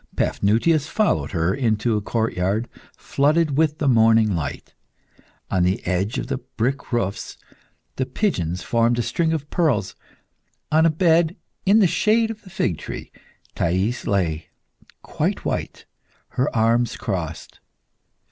Paphnutius followed her into a courtyard flooded with the morning light. On the edge of the brick roofs, the pigeons formed a string of pearls. On a bed, in the shade of the fig tree, Thais lay quite white, her arms crossed.